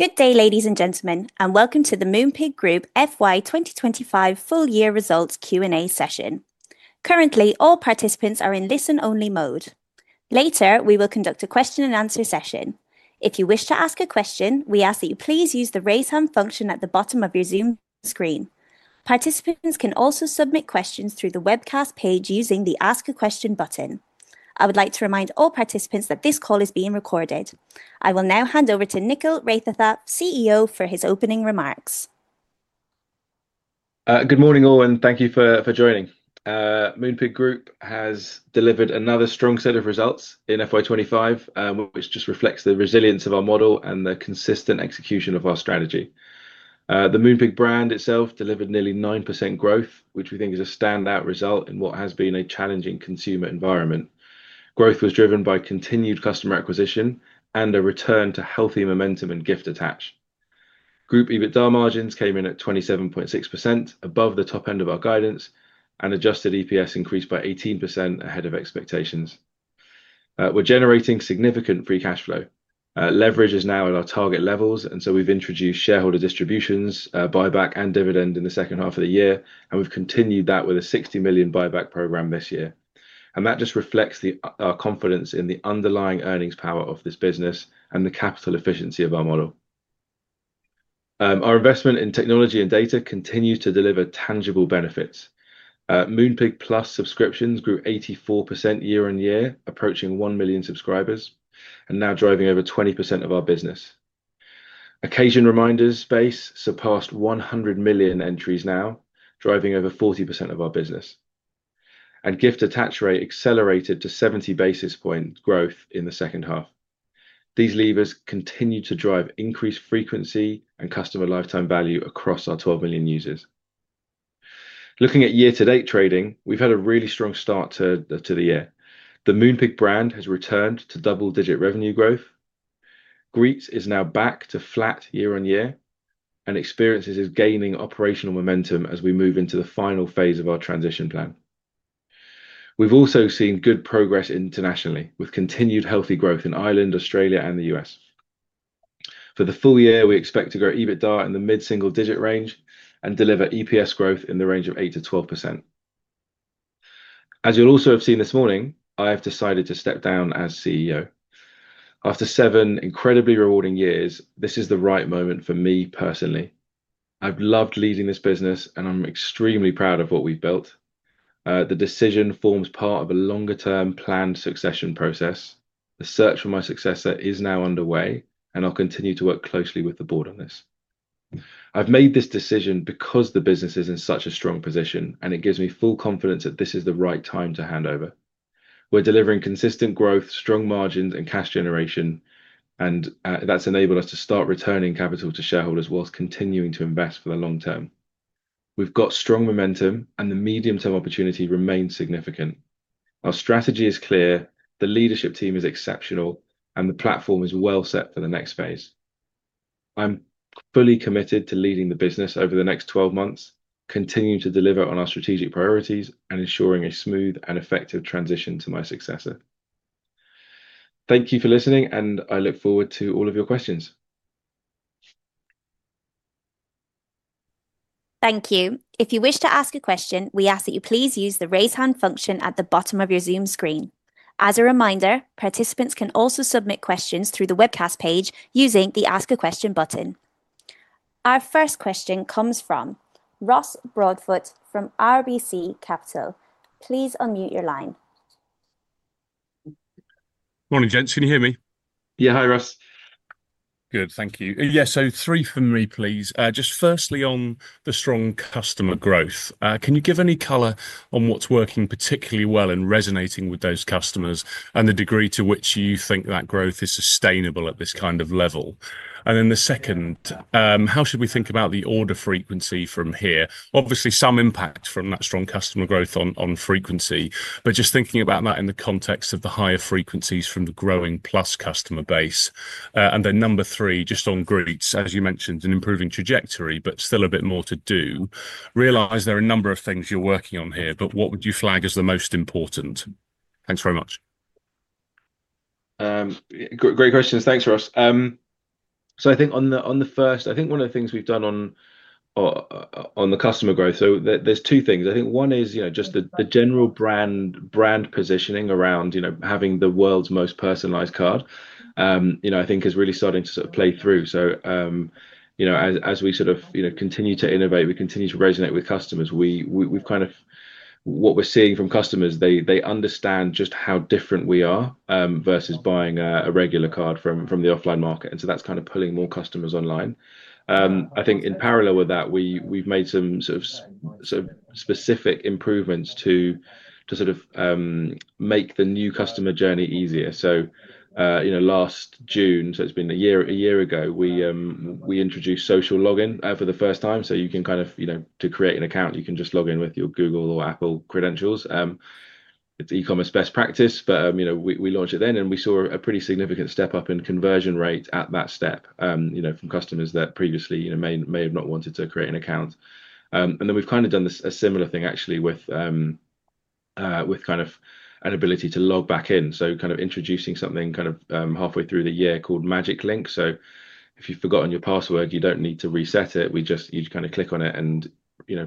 Good day, ladies and gentlemen, and welcome to the Moonpig Group FY 2025 full year results Q&A session. Currently, all participants are in listen-only mode. Later, we will conduct a question-and-answer session. If you wish to ask a question, we ask that you please use the raise hand function at the bottom of your Zoom screen. Participants can also submit questions through the webcast page using the ask a question button. I would like to remind all participants that this call is being recorded. I will now hand over to Nickyl Raithatha, CEO, for his opening remarks. Good morning, all, and thank you for joining. Moonpig Group has delivered another strong set of results in FY 2025, which just reflects the resilience of our model and the consistent execution of our strategy. The Moonpig brand itself delivered nearly 9% growth, which we think is a standout result in what has been a challenging consumer environment. Growth was driven by continued customer acquisition and a return to healthy momentum and gift attach. Group EBITDA margins came in at 27.6%, above the top end of our guidance, and adjusted EPS increased by 18% ahead of expectations. We're generating significant free cash flow. Leverage is now at our target levels, and we have introduced shareholder distributions, buyback, and dividend in the second half of the year, and we have continued that with a 60 million buyback program this year. That just reflects our confidence in the underlying earnings power of this business and the capital efficiency of our model. Our investment in technology and data continues to deliver tangible benefits. Moonpig Plus subscriptions grew 84% year on year, approaching 1 million subscribers, and now driving over 20% of our business. Occasion reminders space surpassed 100 million entries now, driving over 40% of our business. Gift attach rate accelerated to 70 basis points growth in the second half. These levers continue to drive increased frequency and customer lifetime value across our 12 million users. Looking at year-to-date trading, we've had a really strong start to the year. The Moonpig brand has returned to double-digit revenue growth. Greetz is now back to flat year on year, and Experiences is gaining operational momentum as we move into the final phase of our transition plan. We've also seen good progress internationally, with continued healthy growth in Ireland, Australia, and the U.S. For the full year, we expect to grow EBITDA in the mid-single digit range and deliver EPS growth in the range of 8%-12%. As you'll also have seen this morning, I have decided to step down as CEO. After seven incredibly rewarding years, this is the right moment for me personally. I've loved leading this business, and I'm extremely proud of what we've built. The decision forms part of a longer-term planned succession process. The search for my successor is now underway, and I'll continue to work closely with the board on this. I've made this decision because the business is in such a strong position, and it gives me full confidence that this is the right time to hand over. We're delivering consistent growth, strong margins, and cash generation, and that's enabled us to start returning capital to shareholders whilst continuing to invest for the long term. We've got strong momentum, and the medium-term opportunity remains significant. Our strategy is clear, the leadership team is exceptional, and the platform is well set for the next phase. I'm fully committed to leading the business over the next 12 months, continuing to deliver on our strategic priorities, and ensuring a smooth and effective transition to my successor. Thank you for listening, and I look forward to all of your questions. Thank you. If you wish to ask a question, we ask that you please use the raise hand function at the bottom of your Zoom screen. As a reminder, participants can also submit questions through the webcast page using the ask a question button. Our first question comes from Ross Broadfoot from RBC Capital. Please unmute your line. Morning, gents. Can you hear me? Yeah, hi, Ross. Good, thank you. Yeah, so three for me, please. Just firstly, on the strong customer growth, can you give any color on what's working particularly well and resonating with those customers and the degree to which you think that growth is sustainable at this kind of level? The second, how should we think about the order frequency from here? Obviously, some impact from that strong customer growth on frequency, but just thinking about that in the context of the higher frequencies from the growing Plus customer base. Number three, just on Greetz, as you mentioned, an improving trajectory, but still a bit more to do. Realize there are a number of things you're working on here, but what would you flag as the most important? Thanks very much. Great questions. Thanks, Ross. I think on the first, I think one of the things we've done on the customer growth, there are two things. I think one is just the general brand positioning around having the world's most personalized card, I think, is really starting to sort of play through. As we sort of continue to innovate, we continue to resonate with customers. What we're seeing from customers, they understand just how different we are versus buying a regular card from the offline market. That is kind of pulling more customers online. I think in parallel with that, we've made some specific improvements to make the new customer journey easier. Last June, so it's been a year ago, we introduced social login for the first time. You can kind of, to create an account, you can just log in with your Google or Apple credentials. It is e-commerce best practice, but we launched it then, and we saw a pretty significant step up in conversion rate at that step from customers that previously may have not wanted to create an account. We have kind of done a similar thing, actually, with kind of an ability to log back in. Kind of introducing something kind of halfway through the year called Magic Link. If you have forgotten your password, you do not need to reset it. You just kind of click on it, and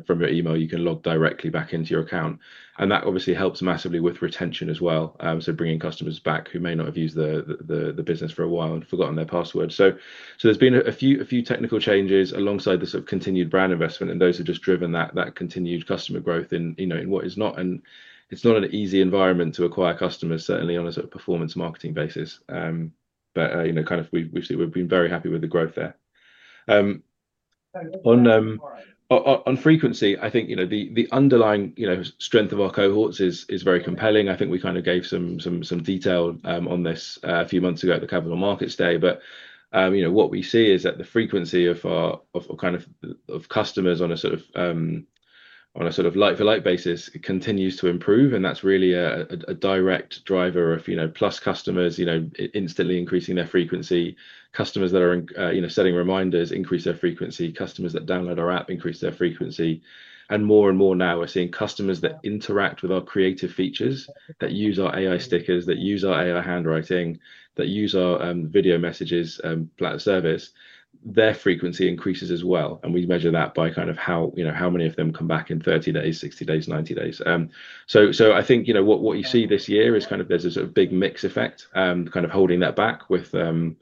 from your email, you can log directly back into your account. That obviously helps massively with retention as well. Bringing customers back who may not have used the business for a while and forgotten their password. There's been a few technical changes alongside the sort of continued brand investment, and those have just driven that continued customer growth in what is not an easy environment to acquire customers, certainly on a sort of performance marketing basis. We've been very happy with the growth there. On frequency, I think the underlying strength of our cohorts is very compelling. I think we gave some detail on this a few months ago at the Capital Markets Day. What we see is that the frequency of customers on a like-for-like basis continues to improve. That's really a direct driver of Plus customers instantly increasing their frequency. Customers that are setting reminders increase their frequency. Customers that download our app increase their frequency. More and more now, we are seeing customers that interact with our creative features, that use our AI Stickers, that use our AI Handwriting, that use our Video Messages for that service, their frequency increases as well. We measure that by kind of how many of them come back in 30 days, 60 days, 90 days. I think what you see this year is kind of there is a sort of big mix effect, kind of holding that back with kind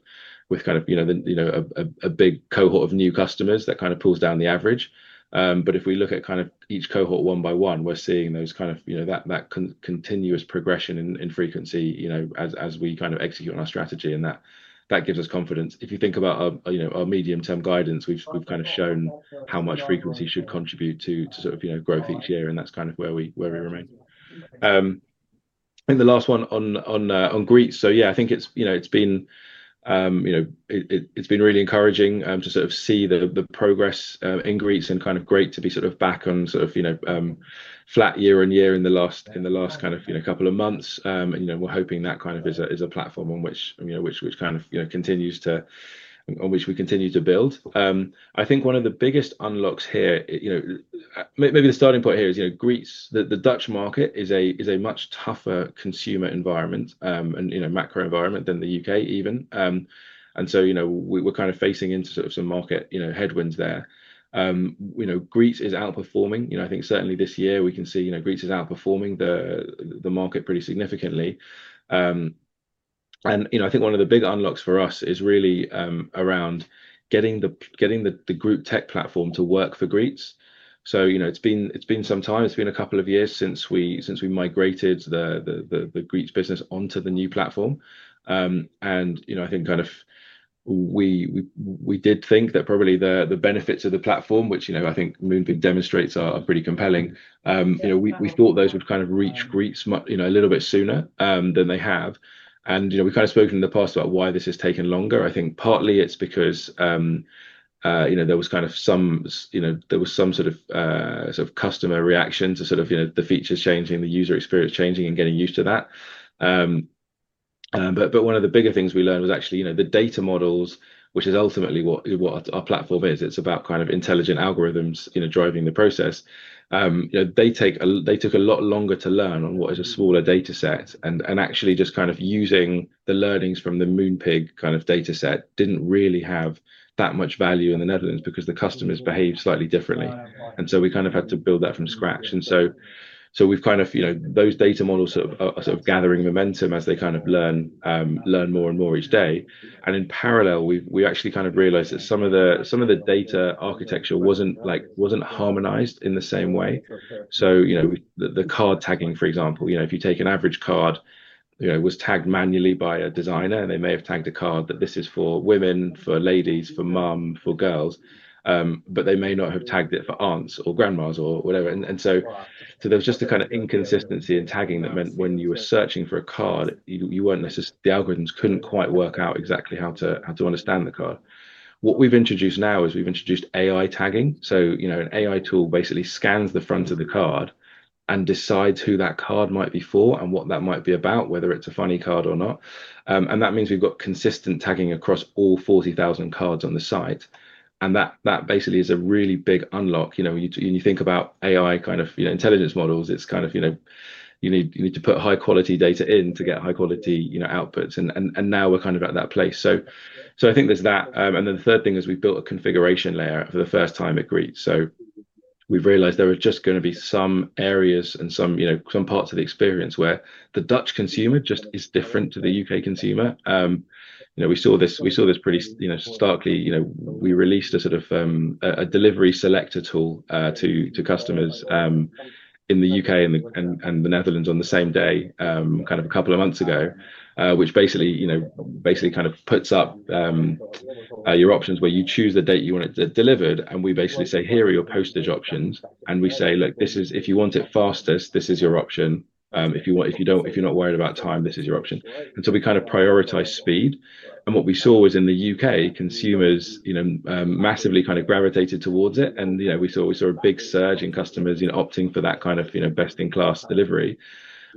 of a big cohort of new customers that kind of pulls down the average. If we look at kind of each cohort one by one, we are seeing kind of that continuous progression in frequency as we kind of execute on our strategy. That gives us confidence. If you think about our medium-term guidance, we've kind of shown how much frequency should contribute to sort of growth each year. That's kind of where we remain. The last one on Greetz. Yeah, I think it's been really encouraging to sort of see the progress in Greetz and kind of great to be sort of back on sort of flat year on year in the last kind of couple of months. We're hoping that kind of is a platform on which we continue to build. I think one of the biggest unlocks here, maybe the starting point here is Greetz, the Dutch market is a much tougher consumer environment and macro environment than the U.K. even. We're kind of facing into sort of some market headwinds there. Greetz is outperforming. I think certainly this year, we can see Greetz is outperforming the market pretty significantly. I think one of the big unlocks for us is really around getting the group tech platform to work for Greetz. It has been some time, it has been a couple of years since we migrated the Greetz business onto the new platform. I think we did think that probably the benefits of the platform, which I think Moonpig demonstrates are pretty compelling. We thought those would reach Greetz a little bit sooner than they have. We have spoken in the past about why this has taken longer. I think partly it is because there was some sort of customer reaction to the features changing, the user experience changing and getting used to that. One of the bigger things we learned was actually the data models, which is ultimately what our platform is. It's about kind of intelligent algorithms driving the process. They took a lot longer to learn on what is a smaller data set. Actually, just kind of using the learnings from the Moonpig kind of data set did not really have that much value in the Netherlands because the customers behaved slightly differently. We kind of had to build that from scratch. Those data models are sort of gathering momentum as they kind of learn more and more each day. In parallel, we actually kind of realized that some of the data architecture was not harmonized in the same way. The card tagging, for example, if you take an average card, was tagged manually by a designer, and they may have tagged a card that this is for women, for ladies, for mum, for girls, but they may not have tagged it for aunts or grandmas or whatever. There was just a kind of inconsistency in tagging that meant when you were searching for a card, the algorithms could not quite work out exactly how to understand the card. What we have introduced now is we have introduced AI Tagging. An AI tool basically scans the front of the card and decides who that card might be for and what that might be about, whether it is a funny card or not. That means we have got consistent tagging across all 40,000 cards on the site. That basically is a really big unlock. When you think about AI kind of intelligence models, it's kind of you need to put high-quality data in to get high-quality outputs. Now we're kind of at that place. I think there's that. The third thing is we've built a configuration layer for the first time at Greetz. We've realized there are just going to be some areas and some parts of the experience where the Dutch consumer just is different to the U.K. consumer. We saw this pretty starkly. We released a sort of delivery selector tool to customers in the U.K. and the Netherlands on the same day, kind of a couple of months ago, which basically kind of puts up your options where you choose the date you want it delivered. We basically say, "Here are your postage options." We say, "Look, if you want it fastest, this is your option. If you're not worried about time, this is your option." We kind of prioritize speed. What we saw was in the U.K., consumers massively kind of gravitated towards it. We saw a big surge in customers opting for that kind of best-in-class delivery.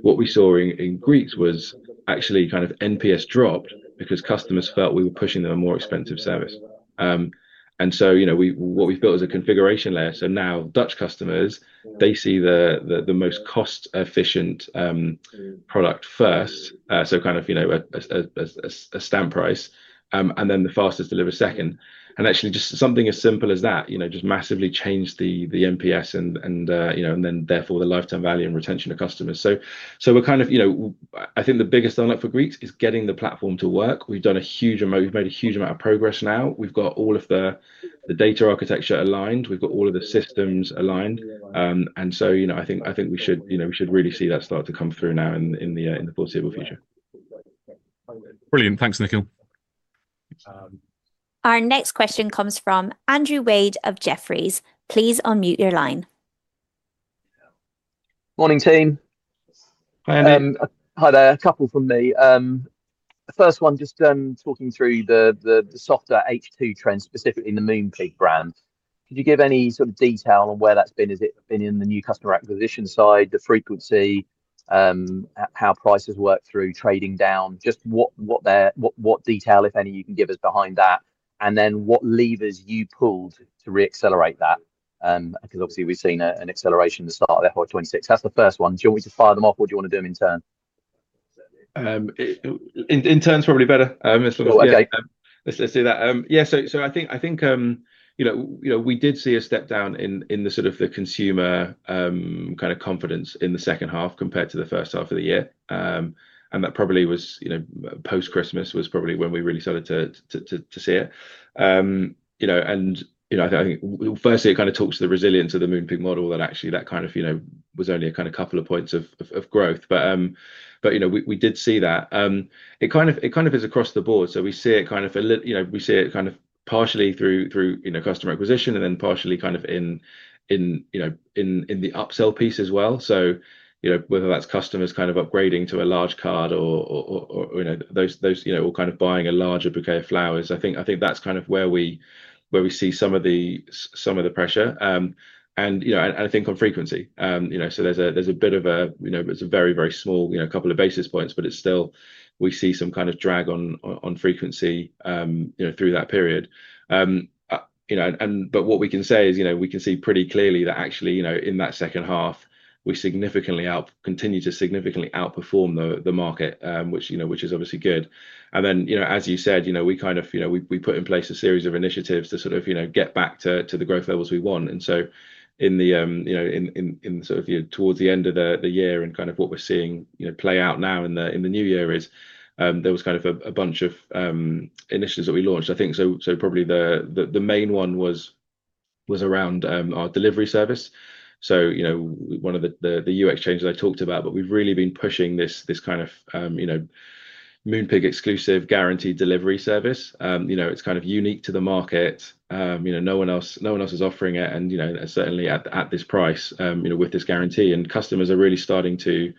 What we saw in Greetz was actually kind of NPS dropped because customers felt we were pushing them a more expensive service. What we built is a configuration layer. Now Dutch customers see the most cost-efficient product first, so kind of a stamp price, and then the fastest delivered second. Actually, just something as simple as that just massively changed the NPS and therefore the lifetime value and retention of customers. We're kind of, I think the biggest unlock for Greetz is getting the platform to work. We've done a huge amount, we've made a huge amount of progress now. We've got all of the data architecture aligned. We've got all of the systems aligned. I think we should really see that start to come through now in the foreseeable future. Brilliant. Thanks, Nickyl. Our next question comes from Andrew Wade of Jefferies. Please unmute your line. Morning, team. Hi there. Hi there. A couple from me. First one, just talking through the softer H2 trend, specifically in the Moonpig brand. Could you give any sort of detail on where that's been? Has it been in the new customer acquisition side, the frequency, how prices work through trading down, just what detail, if any, you can give us behind that? What levers you pulled to reaccelerate that? Obviously we've seen an acceleration in the start of FY2026. That's the first one. Do you want me to fire them off or do you want to do them in turn? In turn is probably better. Cool. Okay. Let's do that. Yeah. I think we did see a step down in the sort of consumer kind of confidence in the second half compared to the first half of the year. That probably was post-Christmas, was probably when we really started to see it. I think firstly, it kind of talks to the resilience of the Moonpig model that actually that kind of was only a kind of couple of points of growth. We did see that. It kind of is across the board. We see it kind of, we see it kind of partially through customer acquisition and then partially kind of in the upsell piece as well. Whether that's customers kind of upgrading to a large card or those all kind of buying a larger bouquet of flowers, I think that's kind of where we see some of the pressure. I think on frequency, there's a bit of a, it's a very, very small couple of basis points, but still, we see some kind of drag on frequency through that period. What we can say is we can see pretty clearly that actually in that second half, we continue to significantly outperform the market, which is obviously good. As you said, we kind of, we put in place a series of initiatives to sort of get back to the growth levels we want. In the sort of towards the end of the year and kind of what we're seeing play out now in the new year is there was kind of a bunch of initiatives that we launched, I think. Probably the main one was around our delivery service. One of the UX changes I talked about, but we've really been pushing this kind of Moonpig exclusive guaranteed delivery service. It's kind of unique to the market. No one else is offering it. Certainly at this price with this guarantee. Customers are really starting to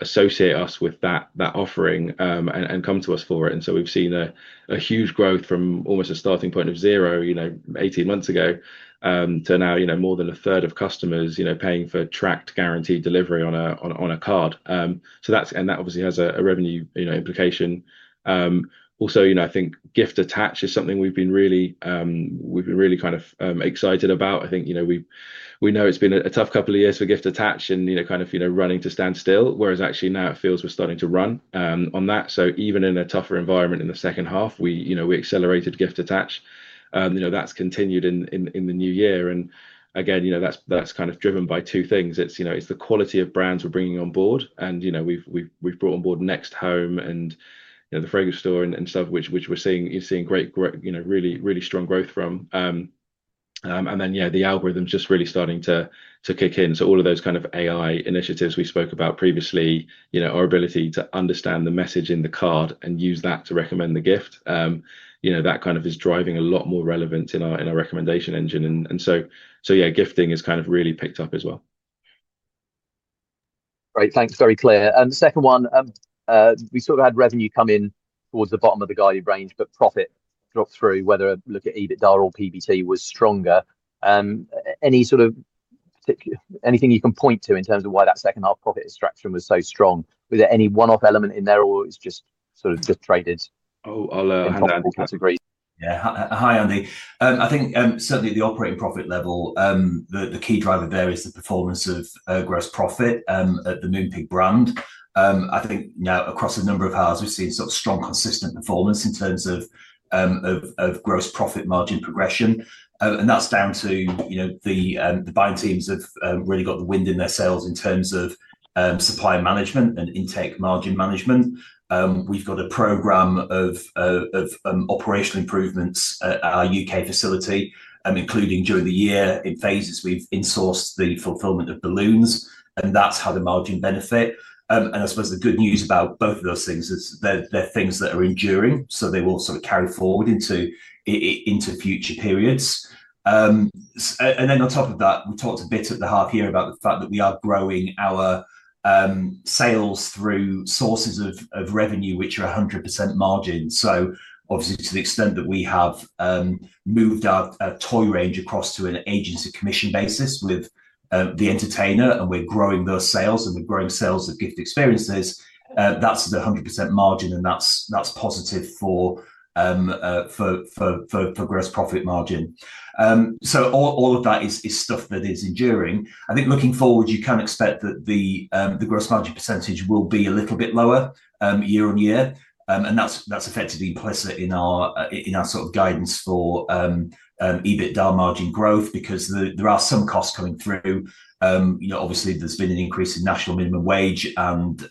associate us with that offering and come to us for it. We've seen a huge growth from almost a starting point of zero 18 months ago to now more than a third of customers paying for tracked guaranteed delivery on a card. That obviously has a revenue implication. Also, I think gift attach is something we've been really kind of excited about. I think we know it's been a tough couple of years for gift attach and kind of running to standstill, whereas actually now it feels we're starting to run on that. Even in a tougher environment in the second half, we accelerated gift attach. That has continued in the new year. That is kind of driven by two things. It is the quality of brands we are bringing on board. We have brought on board Next and The Fragrance Shop and stuff, which we are seeing really strong growth from. The algorithms are just really starting to kick in. All of those AI initiatives we spoke about previously, our ability to understand the message in the card and use that to recommend the gift, that is driving a lot more relevance in our recommendation engine. Gifting has really picked up as well. Great. Thanks. Very clear. The second one, we sort of had revenue come in towards the bottom of the guided range, but profit dropped through, whether you look at EBITDA or PBT, was stronger. Any sort of particular, anything you can point to in terms of why that second half profit extraction was so strong? Was there any one-off element in there or it's just sort of just traded? Oh, I'll hand over to Greetz. Yeah. Hi, Andy. I think certainly at the operating profit level, the key driver there is the performance of gross profit at the Moonpig brand. I think now across a number of hours, we've seen sort of strong, consistent performance in terms of gross profit margin progression. That's down to the buying teams have really got the wind in their sails in terms of supply management and intake margin management. We've got a program of operational improvements at our U.K. facility, including during the year in phases, we've insourced the fulfillment of balloons. That's had a margin benefit. I suppose the good news about both of those things is they're things that are enduring. They will sort of carry forward into future periods. We talked a bit at the half year about the fact that we are growing our sales through sources of revenue, which are 100% margin. Obviously, to the extent that we have moved our toy range across to an agency commission basis with The Entertainer and we are growing those sales and we are growing sales of gift experiences, that is the 100% margin and that is positive for gross profit margin. All of that is stuff that is enduring. I think looking forward, you can expect that the gross margin percentage will be a little bit lower year on year. That is effectively implicit in our sort of guidance for EBITDA margin growth because there are some costs coming through. Obviously, there has been an increase in national minimum wage and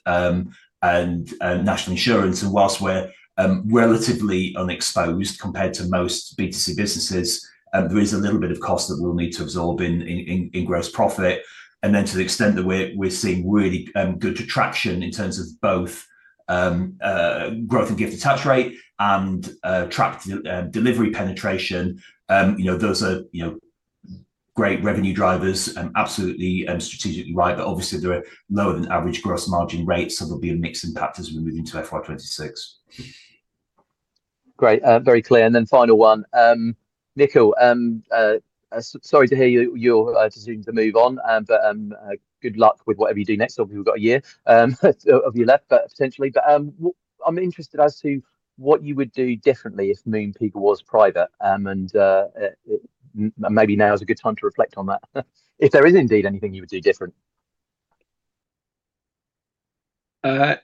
national insurance. Whilst we're relatively unexposed compared to most B2C businesses, there is a little bit of cost that we'll need to absorb in gross profit. To the extent that we're seeing really good traction in terms of both growth and gift attach rate and tracked delivery penetration, those are great revenue drivers and absolutely strategically right. Obviously, they're lower than average gross margin rates. There will be a mixed impact as we move into FY2026. Great. Very clear. Final one. Nickyl, sorry to hear you're deciding to move on, but good luck with whatever you do next. Obviously, we've got a year of you left, potentially. I'm interested as to what you would do differently if Moonpig was private. Maybe now is a good time to reflect on that, if there is indeed anything you would do different. Yeah.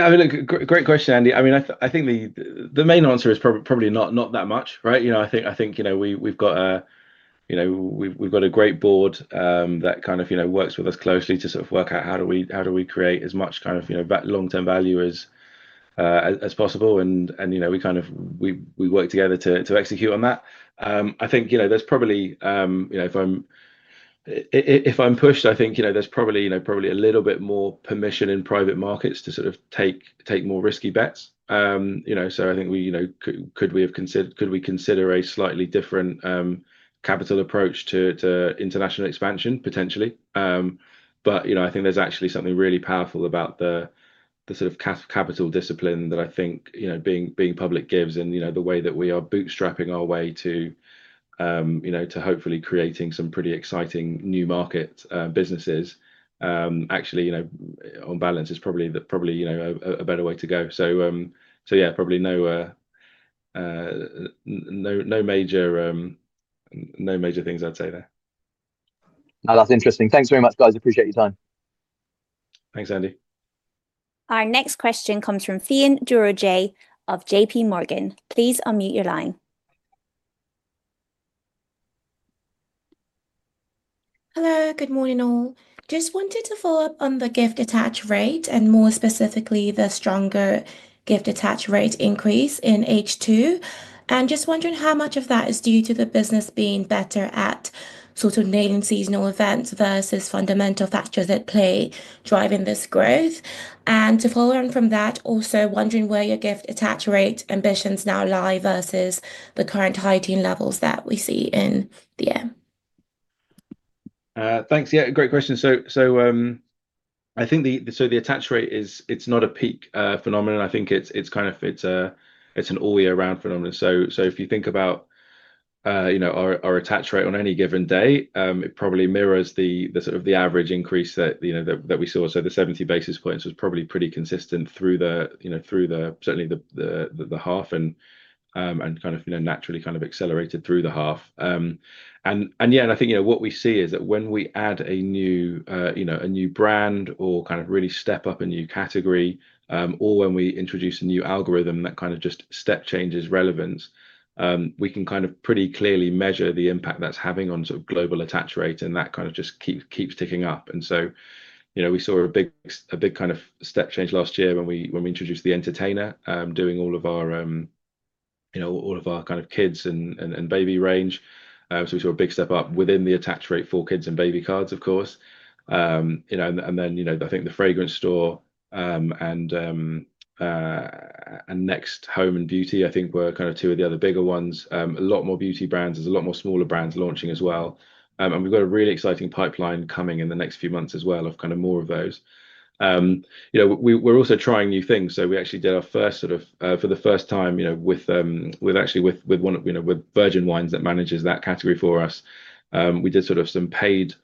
I mean, great question, Andy. I mean, I think the main answer is probably not that much, right? I think we've got a great board that kind of works with us closely to sort of work out how do we create as much kind of long-term value as possible. We kind of work together to execute on that. I think there's probably, if I'm pushed, I think there's probably a little bit more permission in private markets to sort of take more risky bets. I think could we have considered a slightly different capital approach to international expansion, potentially? I think there's actually something really powerful about the sort of capital discipline that I think being public gives and the way that we are bootstrapping our way to hopefully creating some pretty exciting new market businesses, actually on balance is probably a better way to go. Yeah, probably no major things I'd say there. No, that's interesting. Thanks very much, guys. Appreciate your time. Thanks, Andy. Our next question comes from Fiyin Durajay of JP Morgan. Please unmute your line. Hello, good morning all. Just wanted to follow up on the gift attach rate and more specifically the stronger gift attach rate increase in H2. I am just wondering how much of that is due to the business being better at sort of nailing seasonal events versus fundamental factors at play driving this growth. To follow on from that, also wondering where your gift attach rate ambitions now lie versus the current high-teen levels that we see in the year. Thanks. Yeah, great question. I think the attach rate, it's not a peak phenomenon. I think it's kind of an all-year-round phenomenon. If you think about our attach rate on any given day, it probably mirrors the sort of average increase that we saw. The 70 basis points was probably pretty consistent through certainly the half and kind of naturally kind of accelerated through the half. Yeah, I think what we see is that when we add a new brand or kind of really step up a new category, or when we introduce a new algorithm that kind of just step changes relevance, we can kind of pretty clearly measure the impact that's having on sort of global attach rate and that kind of just keeps ticking up. We saw a big kind of step change last year when we introduced The Entertainer doing all of our kids and baby range. We saw a big step up within the attach rate for kids and baby cards, of course. I think The Fragrance Shop and Next and Beauty were kind of two of the other bigger ones. A lot more beauty brands, there are a lot more smaller brands launching as well. We have a really exciting pipeline coming in the next few months as well of more of those. We are also trying new things. We actually did our first sort of, for the first time, actually with Virgin Wines that manages that category for us, we did sort of some paid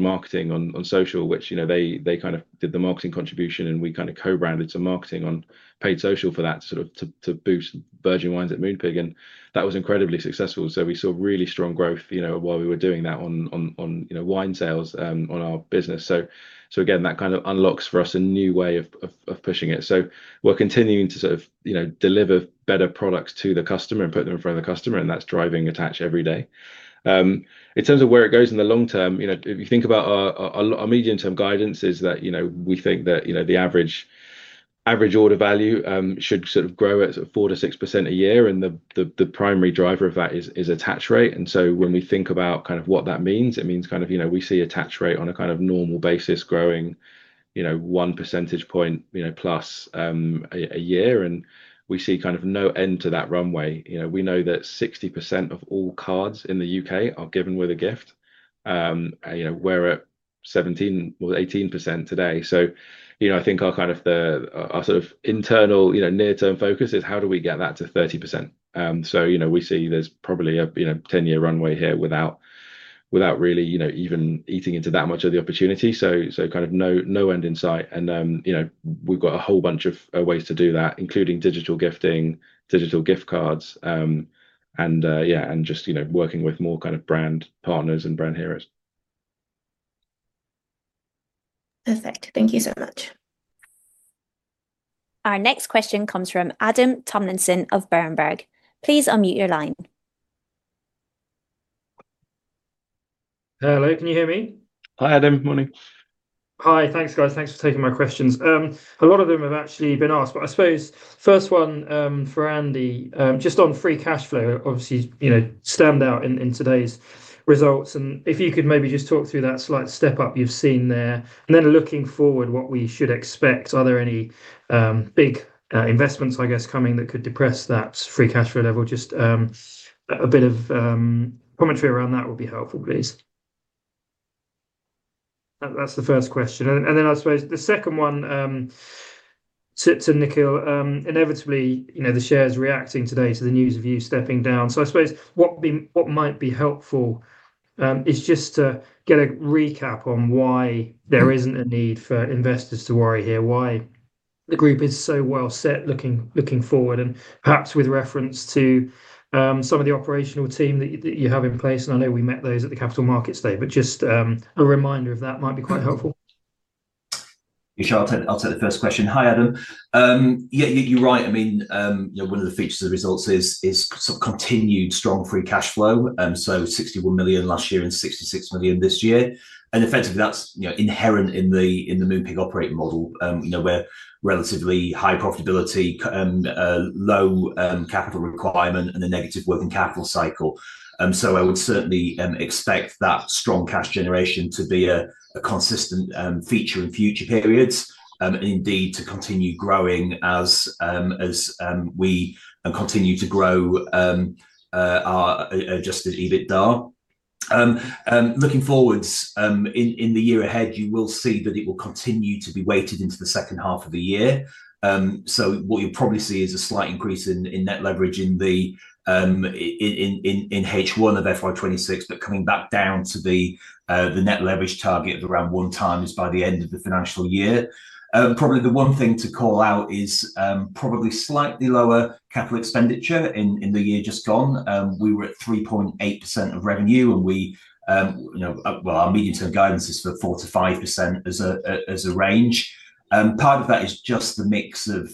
marketing on social, which they kind of did the marketing contribution and we kind of co-branded some marketing on paid social for that sort of to boost Virgin Wines at Moonpig. That was incredibly successful. We saw really strong growth while we were doing that on wine sales on our business. That kind of unlocks for us a new way of pushing it. We are continuing to sort of deliver better products to the customer and put them in front of the customer. That is driving attach every day. In terms of where it goes in the long term, if you think about our medium-term guidance, we think that the average order value should sort of grow at 4%-6% a year. The primary driver of that is attach rate. When we think about kind of what that means, it means kind of we see attach rate on a kind of normal basis growing 1% point plus a year. We see kind of no end to that runway. We know that 60% of all cards in the U.K. are given with a gift, we're at 17% or 18% today. I think our kind of sort of internal near-term focus is how do we get that to 30%. We see there's probably a 10-year runway here without really even eating into that much of the opportunity. Kind of no end in sight. We've got a whole bunch of ways to do that, including digital gifting, digital gift cards, and yeah, just working with more kind of brand partners and brand heroes. Perfect. Thank you so much. Our next question comes from Adam Tomlinson of Berenberg. Please unmute your line. Hello. Can you hear me? Hi, Adam. Good morning. Hi. Thanks, guys. Thanks for taking my questions. A lot of them have actually been asked, but I suppose first one for Andy, just on free cash flow, obviously stand out in today's results. If you could maybe just talk through that slight step up you've seen there. Looking forward, what we should expect, are there any big investments, I guess, coming that could depress that free cash flow level? Just a bit of commentary around that would be helpful, please. That's the first question. I suppose the second one to Nickyl, inevitably, the shares reacting today to the news of you stepping down. I suppose what might be helpful is just to get a recap on why there is not a need for investors to worry here, why the group is so well set looking forward, and perhaps with reference to some of the operational team that you have in place. I know we met those at the Capital Markets Day, but just a reminder of that might be quite helpful. Yeah, sure. I'll take the first question. Hi, Adam. Yeah, you're right. I mean, one of the features of the results is sort of continued strong free cash flow. So 61 million last year and 66 million this year. And effectively, that's inherent in the Moonpig operating model, where relatively high profitability, low capital requirement, and a negative working capital cycle. I would certainly expect that strong cash generation to be a consistent feature in future periods, and indeed to continue growing as we continue to grow our adjusted EBITDA. Looking forwards in the year ahead, you will see that it will continue to be weighted into the second half of the year. What you'll probably see is a slight increase in net leverage in H1 of FY2026, but coming back down to the net leverage target of around one time by the end of the financial year. Probably the one thing to call out is probably slightly lower capital expenditure in the year just gone. We were at 3.8% of revenue, and our medium-term guidance is for 4%-5% as a range. Part of that is just the mix of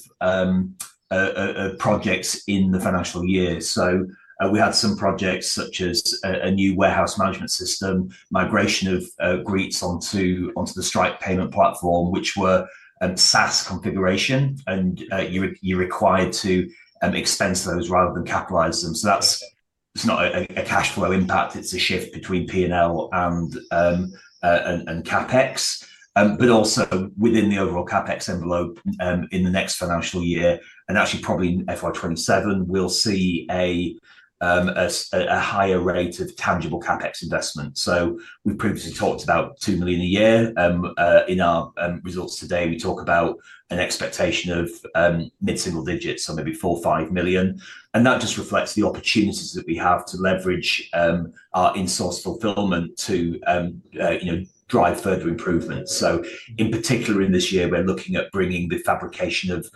projects in the financial year. We had some projects such as a new warehouse management system, migration of Greetz onto the Stripe payment platform, which were SaaS configuration, and you're required to expense those rather than capitalize them. That's not a cash flow impact. It's a shift between P&L and CapEx, but also within the overall CapEx envelope in the next financial year. Actually, probably in FY2027, we'll see a higher rate of tangible CapEx investment. We've previously talked about 2 million a year. In our results today, we talk about an expectation of mid-single digits, so maybe 4 million-5 million. That just reflects the opportunities that we have to leverage our insource fulfillment to drive further improvements. In particular, in this year, we're looking at bringing the fabrication of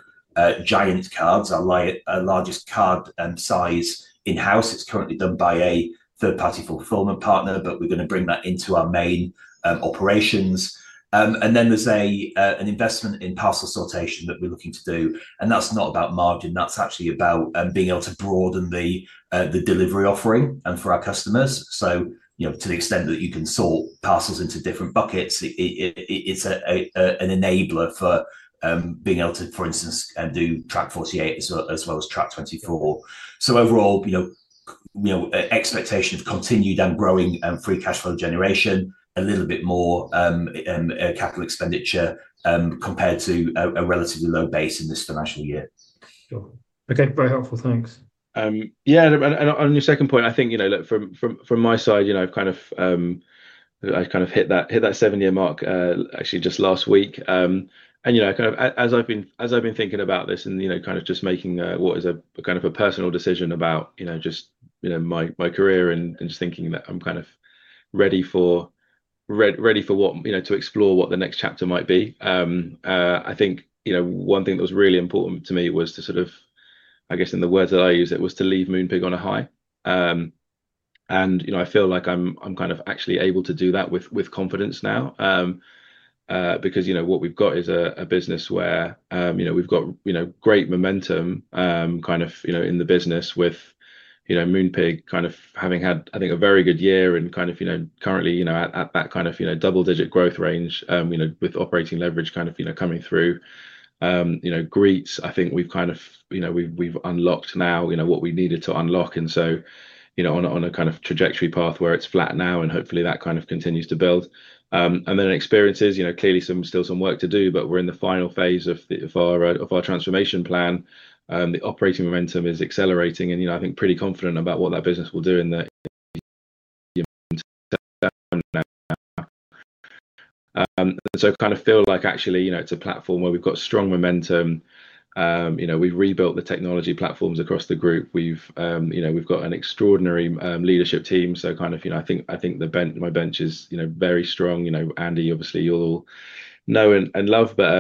giant cards, our largest card size, in-house. It's currently done by a third-party fulfillment partner, but we're going to bring that into our main operations. There's an investment in parcel sortation that we're looking to do. That's not about margin. That's actually about being able to broaden the delivery offering for our customers. To the extent that you can sort parcels into different buckets, it's an enabler for being able to, for instance, do Track 48 as well as Track 24. Overall, expectation of continued and growing free cash flow generation, a little bit more capital expenditure compared to a relatively low base in this financial year. Sure. Okay. Very helpful. Thanks. Yeah. On your second point, I think from my side, I've kind of hit that seven-year mark actually just last week. As I've been thinking about this and just making what is a kind of a personal decision about just my career and just thinking that I'm kind of ready to explore what the next chapter might be, I think one thing that was really important to me was to sort of, I guess in the words that I use, it was to leave Moonpig on a high. I feel like I'm kind of actually able to do that with confidence now because what we've got is a business where we've got great momentum in the business with Moonpig having had, I think, a very good year and currently at that double-digit growth range with operating leverage coming through. Greetz, I think we've unlocked now what we needed to unlock. On a trajectory path where it's flat now, and hopefully that continues to build. Experiences, clearly still some work to do, but we're in the final phase of our transformation plan. The operating momentum is accelerating, and I think pretty confident about what that business will do in the years. I feel like actually it's a platform where we've got strong momentum. We've rebuilt the technology platforms across the group. We've got an extraordinary leadership team. I think my bench is very strong. Andy, obviously, you'll know and love, but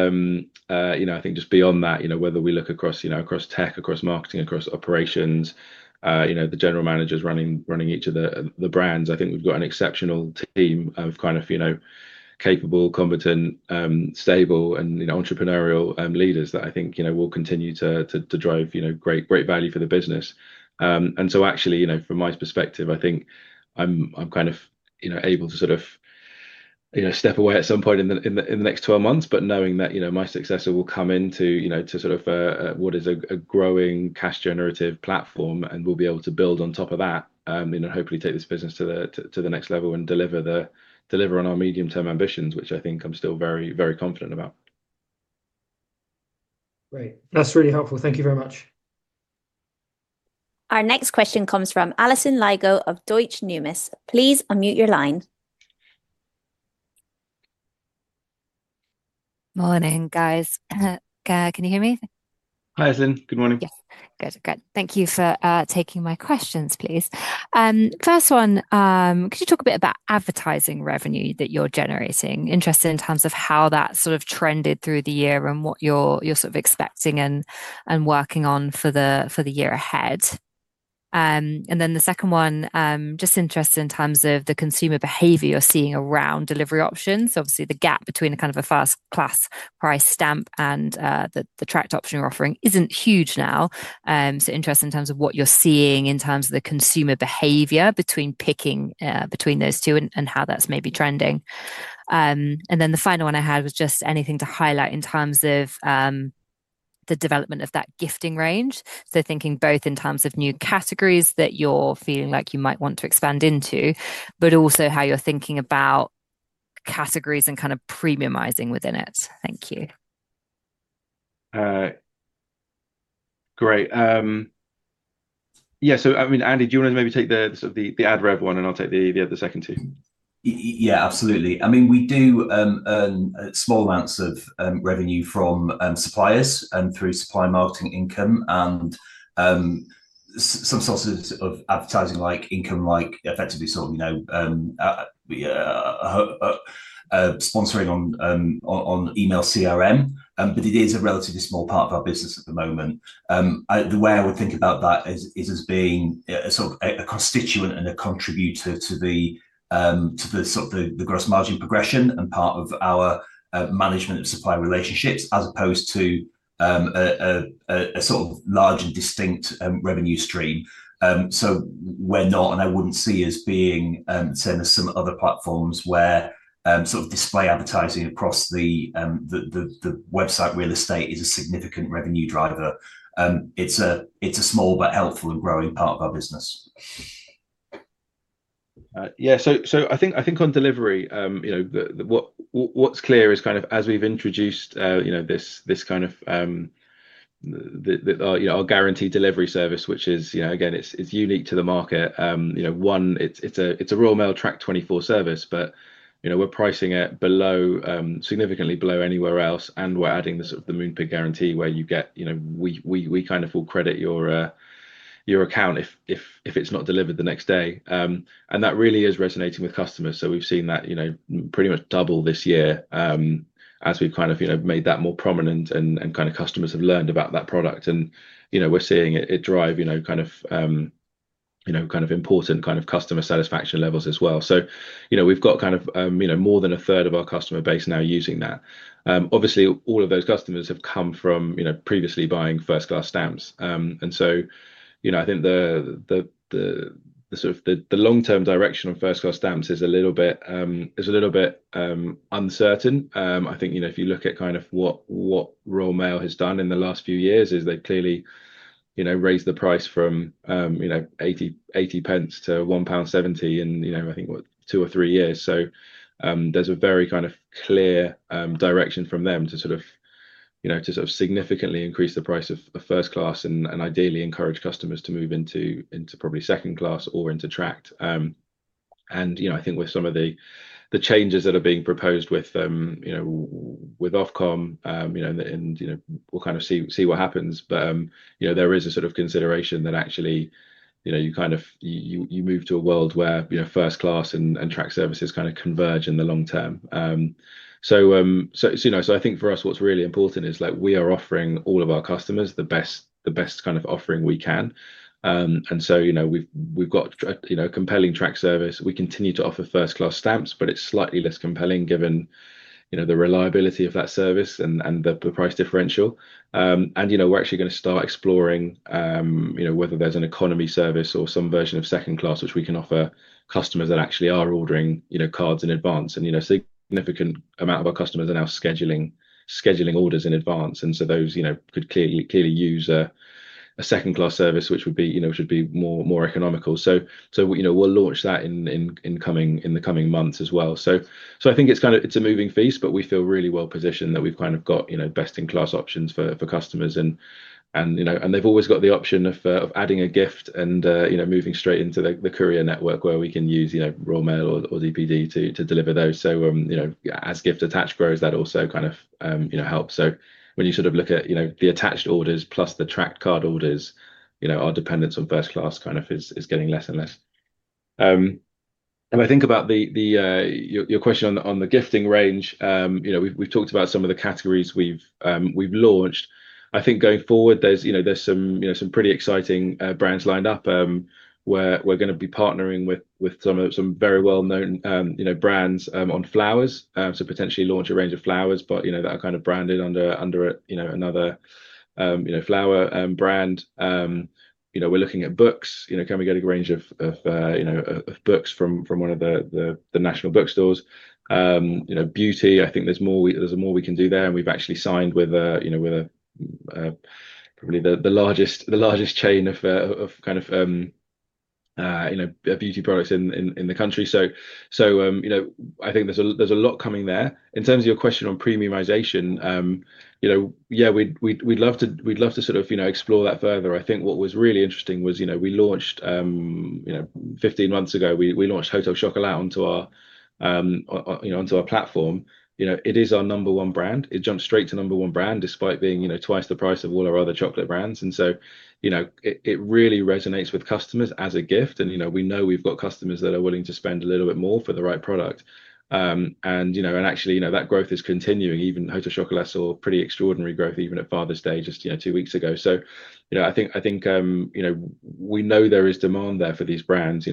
I think just beyond that, whether we look across tech, across marketing, across operations, the general managers running each of the brands, I think we've got an exceptional team of capable, competent, stable, and entrepreneurial leaders that I think will continue to drive great value for the business. From my perspective, I think I'm kind of able to sort of step away at some point in the next 12 months, but knowing that my successor will come into sort of what is a growing cash-generative platform, and will be able to build on top of that and hopefully take this business to the next level and deliver on our medium-term ambitions, which I think I'm still very, very confident about. Great. That's really helpful. Thank you very much. Our next question comes from Alison Lygo of Deutsche Numis. Please unmute your line. Morning, guys. Can you hear me? Hi, Alison. Good morning. Yes. Good. Thank you for taking my questions, please. First one, could you talk a bit about advertising revenue that you're generating? Interested in terms of how that sort of trended through the year and what you're sort of expecting and working on for the year ahead. The second one, just interested in terms of the consumer behavior you're seeing around delivery options. Obviously, the gap between kind of a first-class price stamp and the tracked option you're offering is not huge now. Interested in terms of what you're seeing in terms of the consumer behavior between picking between those two and how that's maybe trending. The final one I had was just anything to highlight in terms of the development of that gifting range. Thinking both in terms of new categories that you're feeling like you might want to expand into, but also how you're thinking about categories and kind of premiumizing within it. Thank you. Great. Yeah. I mean, Andy, do you want to maybe take the ad revenue one and I'll take the other second two? Yeah, absolutely. I mean, we do earn small amounts of revenue from suppliers and through supply marketing income and some sources of advertising income, like effectively sort of sponsoring on email CRM. It is a relatively small part of our business at the moment. The way I would think about that is as being sort of a constituent and a contributor to the sort of the gross margin progression and part of our management of supply relationships as opposed to a sort of large and distinct revenue stream. We are not, and I would not see us as being same as some other platforms where sort of display advertising across the website real estate is a significant revenue driver. It is a small but helpful and growing part of our business. Yeah. I think on delivery, what's clear is as we've introduced this guaranteed delivery service, which is, again, it's unique to the market. One, it's a Royal Mail Track 24 service, but we're pricing it significantly below anywhere else, and we're adding the sort of the Moonpig guarantee where we will credit your account if it's not delivered the next day. That really is resonating with customers. We've seen that pretty much double this year as we've made that more prominent and customers have learned about that product. We're seeing it drive important customer satisfaction levels as well. We've got more than a third of our customer base now using that. Obviously, all of those customers have come from previously buying first-class stamps. I think the sort of the long-term direction of first-class stamps is a little bit uncertain. I think if you look at kind of what Royal Mail has done in the last few years, they've clearly raised the price from 0.80 to 1.70 pound in, I think, two or three years. There is a very kind of clear direction from them to significantly increase the price of first-class and ideally encourage customers to move into probably second-class or into tracked. I think with some of the changes that are being proposed with Ofcom, and we'll kind of see what happens, but there is a sort of consideration that actually you kind of move to a world where first-class and tracked services kind of converge in the long term. I think for us, what's really important is we are offering all of our customers the best kind of offering we can. We have a compelling tracked service. We continue to offer first-class stamps, but it's slightly less compelling given the reliability of that service and the price differential. We are actually going to start exploring whether there's an economy service or some version of second-class, which we can offer customers that actually are ordering cards in advance. A significant amount of our customers are now scheduling orders in advance. Those could clearly use a second-class service, which would be more economical. We will launch that in the coming months as well. I think it's a moving feast, but we feel really well positioned that we've got best-in-class options for customers. They've always got the option of adding a gift and moving straight into the courier network where we can use Royal Mail or DPD to deliver those. As gift attach grows, that also kind of helps. When you sort of look at the attached orders plus the tracked card orders, our dependence on first-class kind of is getting less and less. I think about your question on the gifting range. We've talked about some of the categories we've launched. I think going forward, there's some pretty exciting brands lined up where we're going to be partnering with some very well-known brands on flowers to potentially launch a range of flowers, but that are kind of branded under another flower brand. We're looking at books. Can we get a range of books from one of the national bookstores? Beauty, I think there's more we can do there. We have actually signed with probably the largest chain of kind of beauty products in the country. I think there is a lot coming there. In terms of your question on premiumization, yeah, we'd love to sort of explore that further. I think what was really interesting was we launched 15 months ago, we launched Hotel Chocolat onto our platform. It is our number one brand. It jumped straight to number one brand despite being twice the price of all our other chocolate brands. It really resonates with customers as a gift. We know we have customers that are willing to spend a little bit more for the right product. Actually, that growth is continuing. Even Hotel Chocolat saw pretty extraordinary growth even at Father's Day just two weeks ago. I think we know there is demand there for these brands.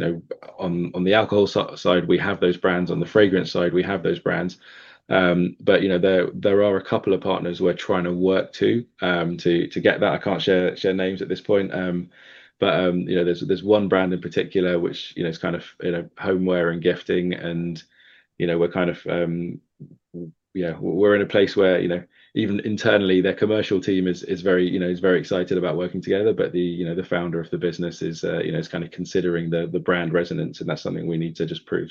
On the alcohol side, we have those brands. On the fragrance side, we have those brands. There are a couple of partners we're trying to work to get that. I can't share names at this point. There is one brand in particular, which is kind of homeware and gifting. We're kind of in a place where even internally, their commercial team is very excited about working together, but the founder of the business is kind of considering the brand resonance, and that's something we need to just prove.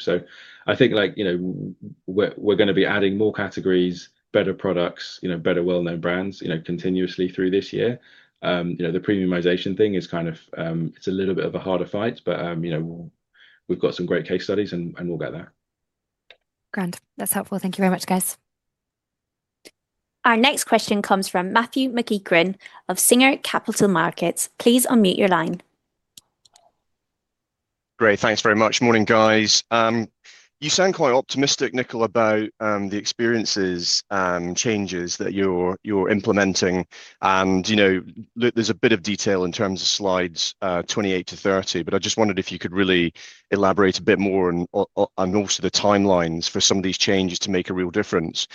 I think we're going to be adding more categories, better products, better well-known brands continuously through this year. The premiumization thing is kind of a little bit of a harder fight, but we've got some great case studies, and we'll get there. Grand. That's helpful. Thank you very much, guys. Our next question comes from Matthew McEacharn of Singer Capital Markets. Please unmute your line. Great. Thanks very much. Morning, guys. You sound quite optimistic, Nickyl, about the experiences and changes that you're implementing. And there's a bit of detail in terms of slides 28 to 30, but I just wondered if you could really elaborate a bit more on also the timelines for some of these changes to make a real difference.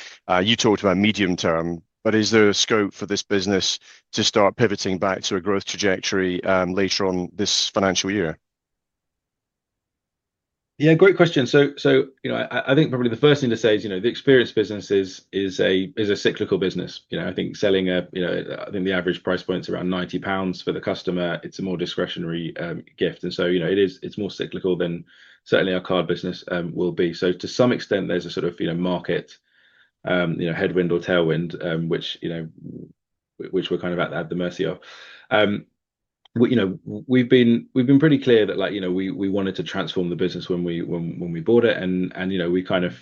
You talked about medium term, but is there a scope for this business to start pivoting back to a growth trajectory later on this financial year? Yeah, great question. I think probably the first thing to say is the experience business is a cyclical business. I think selling a, I think the average price point is around 90 pounds for the customer. It's a more discretionary gift. It's more cyclical than certainly our card business will be. To some extent, there's a sort of market headwind or tailwind, which we're kind of at the mercy of. We've been pretty clear that we wanted to transform the business when we bought it.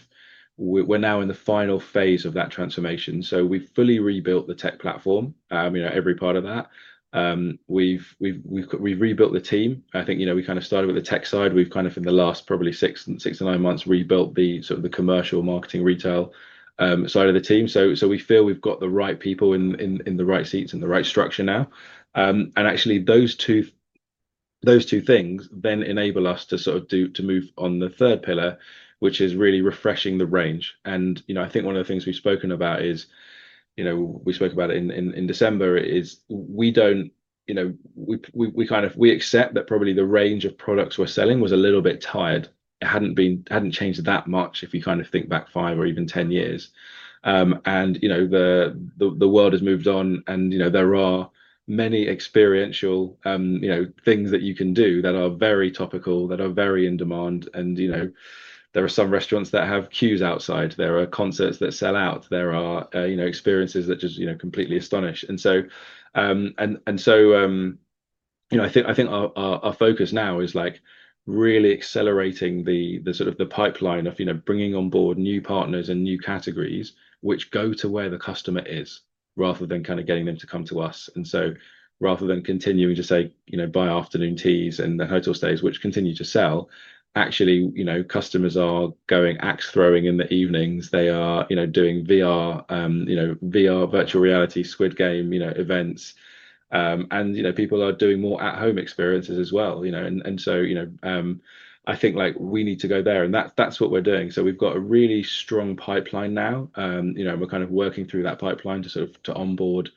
We're now in the final phase of that transformation. We've fully rebuilt the tech platform, every part of that. We've rebuilt the team. I think we kind of started with the tech side. We've kind of, in the last probably six to nine months, rebuilt the sort of commercial marketing retail side of the team. We feel we've got the right people in the right seats and the right structure now. Actually, those two things then enable us to sort of move on the third pillar, which is really refreshing the range. I think one of the things we've spoken about is we spoke about it in December is we kind of accept that probably the range of products we're selling was a little bit tired. It hadn't changed that much if you kind of think back five or even 10 years. The world has moved on, and there are many experiential things that you can do that are very topical, that are very in demand. There are some restaurants that have queues outside. There are concerts that sell out. There are experiences that just completely astonish. I think our focus now is really accelerating the sort of pipeline of bringing on board new partners and new categories, which go to where the customer is, rather than kind of getting them to come to us. Rather than continuing to say, "Buy afternoon teas and the hotel stays," which continue to sell, actually, customers are going axe throwing in the evenings. They are doing VR, virtual reality, squid game events. People are doing more at-home experiences as well. I think we need to go there. That is what we are doing. We have got a really strong pipeline now. We are kind of working through that pipeline to sort of onboard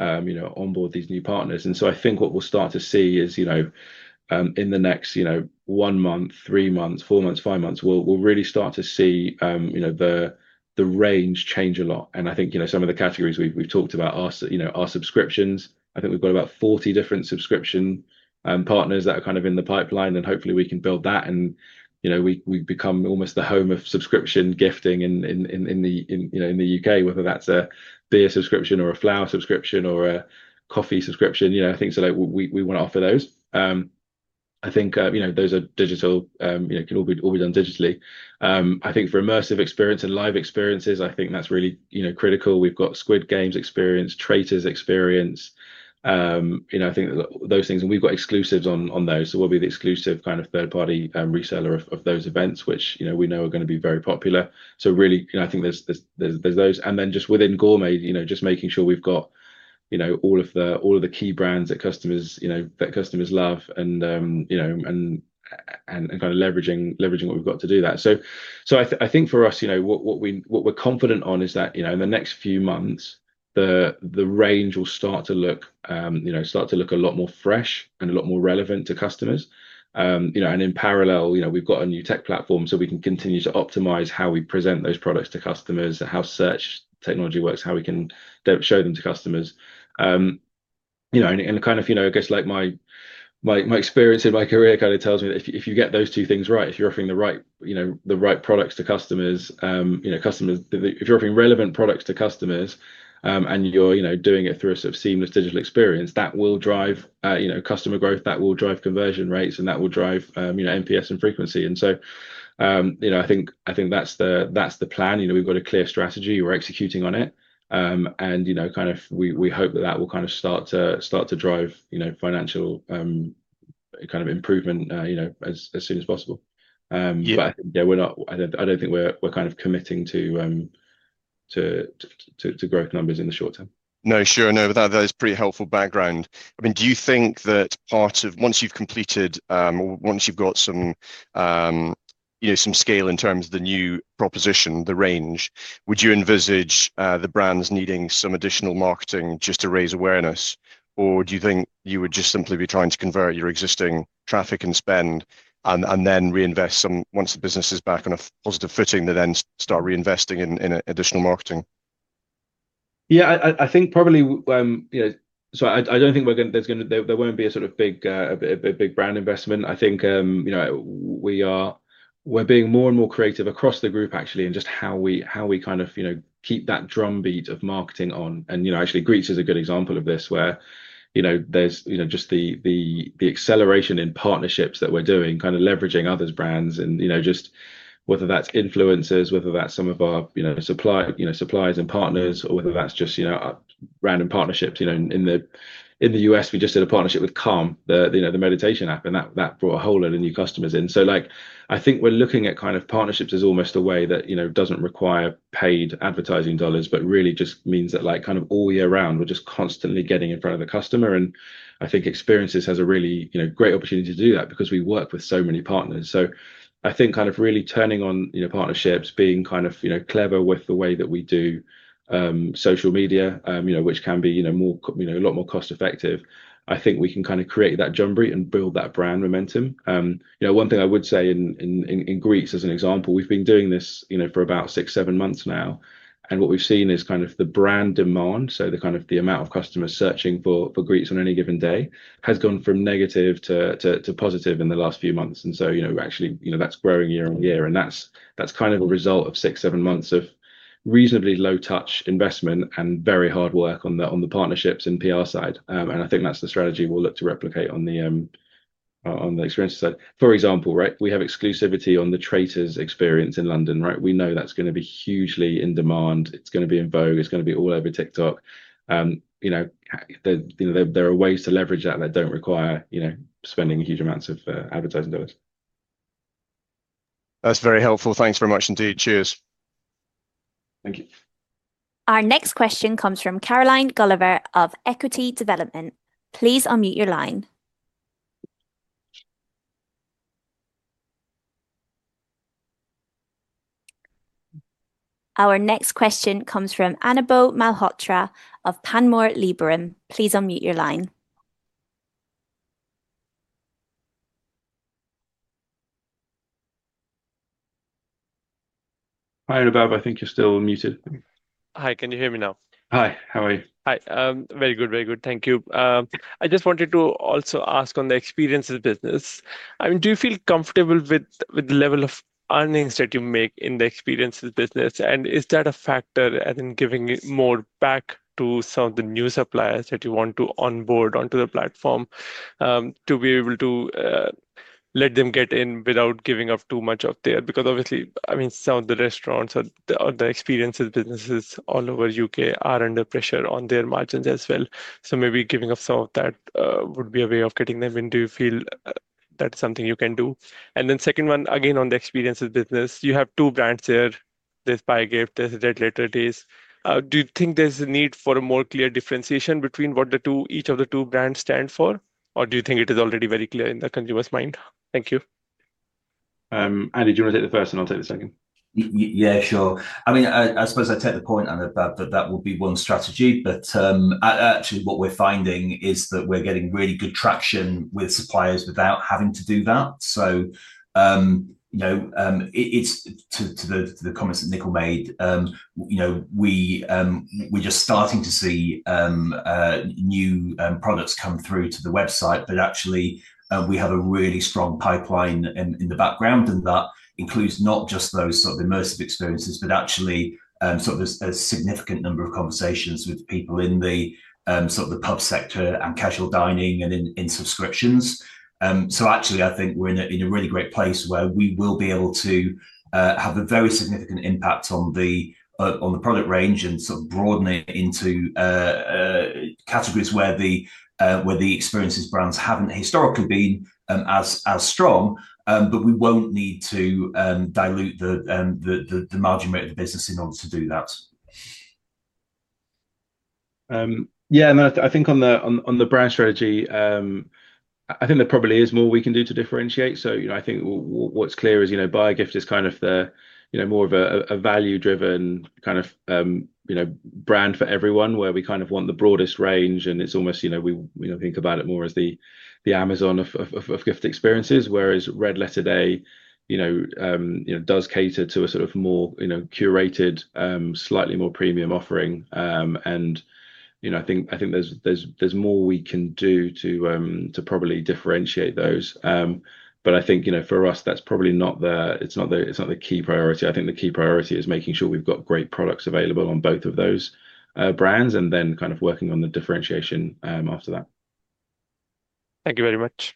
these new partners. I think what we'll start to see is in the next one month, three months, four months, five months, we'll really start to see the range change a lot. I think some of the categories we've talked about are subscriptions. I think we've got about 40 different subscription partners that are kind of in the pipeline, and hopefully, we can build that. We've become almost the home of subscription gifting in the U.K., whether that's a beer subscription or a flower subscription or a coffee subscription. I think we want to offer those. I think those are digital. It can all be done digitally. I think for immersive experience and live experiences, I think that's really critical. We've got Squid Games experience, Traitors experience. I think those things. We've got exclusives on those. We will be the exclusive kind of third-party reseller of those events, which we know are going to be very popular. I think there is those. Then just within Gourmet, just making sure we have all of the key brands that customers love and kind of leveraging what we have to do that. I think for us, what we are confident on is that in the next few months, the range will start to look a lot more fresh and a lot more relevant to customers. In parallel, we have a new tech platform, so we can continue to optimize how we present those products to customers, how search technology works, how we can show them to customers. I guess my experience in my career kind of tells me that if you get those two things right, if you're offering the right products to customers, if you're offering relevant products to customers and you're doing it through a sort of seamless digital experience, that will drive customer growth, that will drive conversion rates, and that will drive NPS and frequency. I think that's the plan. We've got a clear strategy. We're executing on it. We hope that that will kind of start to drive financial kind of improvement as soon as possible. I think we're not, I don't think we're kind of committing to growth numbers in the short term. No, sure. No, that is pretty helpful background. I mean, do you think that once you've completed or once you've got some scale in terms of the new proposition, the range, would you envisage the brands needing some additional marketing just to raise awareness? Or do you think you would just simply be trying to convert your existing traffic and spend and then reinvest some once the business is back on a positive footing, they then start reinvesting in additional marketing? Yeah, I think probably so I don't think there's going to there won't be a sort of big brand investment. I think we're being more and more creative across the group, actually, in just how we kind of keep that drumbeat of marketing on. Actually, Greetz is a good example of this where there's just the acceleration in partnerships that we're doing, kind of leveraging other brands and just whether that's influencers, whether that's some of our suppliers and partners, or whether that's just random partnerships. In the U.S., we just did a partnership with Calm, the meditation app, and that brought a whole lot of new customers in. I think we're looking at kind of partnerships as almost a way that doesn't require paid advertising dollars, but really just means that kind of all year round, we're just constantly getting in front of the customer. I think Experiences has a really great opportunity to do that because we work with so many partners. I think kind of really turning on partnerships, being kind of clever with the way that we do social media, which can be a lot more cost-effective, I think we can kind of create that drumbeat and build that brand momentum. One thing I would say in Greetz, as an example, we have been doing this for about six, seven months now. What we have seen is kind of the brand demand, so kind of the amount of customers searching for Greetz on any given day has gone from negative to positive in the last few months. Actually, that is growing year on year. That is kind of a result of six, seven months of reasonably low-touch investment and very hard work on the partnerships and PR side. I think that's the strategy we'll look to replicate on the experience side. For example, we have exclusivity on the Traitors experience in London, right? We know that's going to be hugely in demand. It's going to be in vogue. It's going to be all over TikTok. There are ways to leverage that that don't require spending huge amounts of advertising dollars. That's very helpful. Thanks very much, indeed. Cheers. Thank you. Our next question comes from Caroline Gulliver of Equity Development. Please unmute your line. Our next question comes from Anubhav Malhotra of Panmure Liberum. Please unmute your line. Hi, Annabelle. I think you're still muted. Hi. Can you hear me now? Hi. How are you? Hi. Very good. Very good. Thank you. I just wanted to also ask on the experiences business. I mean, do you feel comfortable with the level of earnings that you make in the experiences business? Is that a factor in giving more back to some of the new suppliers that you want to onboard onto the platform to be able to let them get in without giving up too much of their, because, obviously, I mean, some of the restaurants or the experiences businesses all over the U.K. are under pressure on their margins as well. Maybe giving up some of that would be a way of getting them in. Do you feel that's something you can do? The second one, again, on the experiences business, you have two brands there. There's Buyagift. There's Red Letter Days. Do you think there's a need for a more clear differentiation between what each of the two brands stand for? Or do you think it is already very clear in the consumer's mind? Thank you. Andy, do you want to take the first, and I'll take the second? Yeah, sure. I mean, I suppose I take the point, Annabelle, that that would be one strategy. Actually, what we're finding is that we're getting really good traction with suppliers without having to do that. To the comments that Nickyl, we're just starting to see new products come through to the website, but actually, we have a really strong pipeline in the background, and that includes not just those sort of immersive experiences, but actually a significant number of conversations with people in the pub sector and casual dining and in subscriptions. Actually, I think we're in a really great place where we will be able to have a very significant impact on the product range and broaden it into categories where the experiences brands haven't historically been as strong. We will not need to dilute the margin rate of the business in order to do that. Yeah. I think on the brand strategy, I think there probably is more we can do to differentiate. I think what is clear is Buyagift is kind of more of a value-driven kind of brand for everyone where we kind of want the broadest range. It is almost we think about it more as the Amazon of gift experiences, whereas Red Letter Days does cater to a sort of more curated, slightly more premium offering. I think there is more we can do to probably differentiate those. I think for us, that is probably not the key priority. I think the key priority is making sure we have got great products available on both of those brands and then kind of working on the differentiation after that. Thank you very much.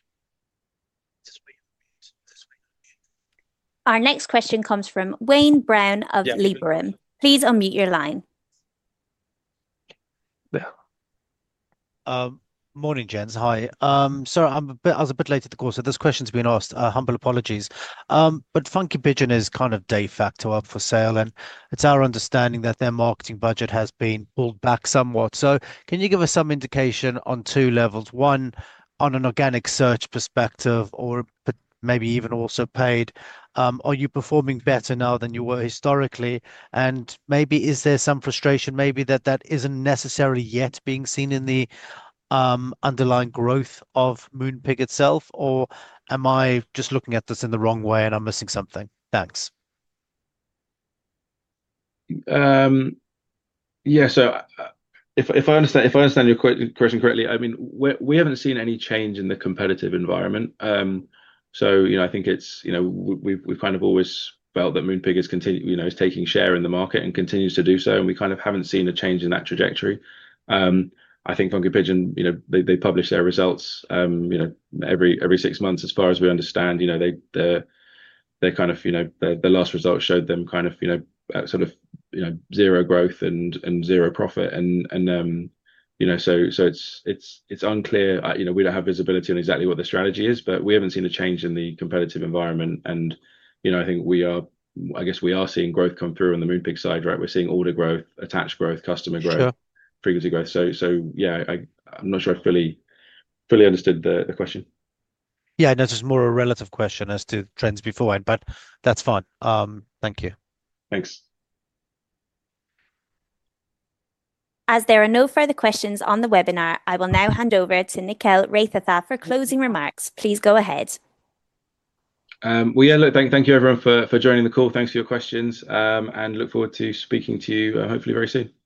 Our next question comes from Wayne Brown of Liberum. Please unmute your line. Morning, gents. Hi. Sorry, I was a bit late at the course. If this question's been asked, humble apologies. Funky Pigeon is kind of de facto up for sale, and it's our understanding that their marketing budget has been pulled back somewhat. Can you give us some indication on two levels? One, on an organic search perspective or maybe even also paid, are you performing better now than you were historically? And maybe is there some frustration maybe that that isn't necessarily yet being seen in the underlying growth of Moonpig itself? Or am I just looking at this in the wrong way and I'm missing something? Thanks. Yeah. If I understand your question correctly, I mean, we have not seen any change in the competitive environment. I think we have kind of always felt that Moonpig is taking share in the market and continues to do so. We have not seen a change in that trajectory. I think Funky Pigeon, they publish their results every six months. As far as we understand, their last results showed them at sort of zero growth and zero profit. It is unclear. We do not have visibility on exactly what the strategy is, but we have not seen a change in the competitive environment. I think we are seeing growth come through on the Moonpig side, right? We are seeing order growth, attached growth, customer growth, frequency growth. Yeah, I am not sure I fully understood the question. Yeah. That's just more a relative question as to trends beforehand, but that's fine. Thank you. Thanks. As there are no further questions on the webinar, I will now hand over to Nickyl Raithatha for closing remarks. Please go ahead. Yeah, look, thank you, everyone, for joining the call. Thanks for your questions. I look forward to speaking to you, hopefully, very soon. Bye-bye.